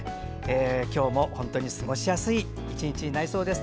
今日も過ごしやすい１日になりそうです。